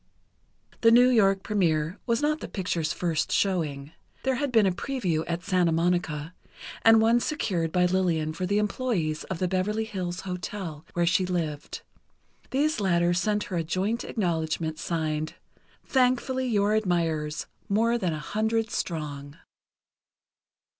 The New York première was not the picture's first showing. There had been a preview at Santa Monica, and one secured by Lillian for the employees of the Beverley Hills Hotel, where she lived. These latter sent her a joint acknowledgment, signed: "Thankfully your admirers, more than a hundred strong."